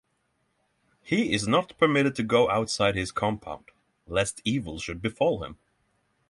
He is not permitted to go outside his compound, lest evil should befall him.